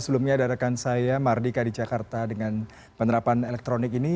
sebelumnya ada rekan saya mardika di jakarta dengan penerapan elektronik ini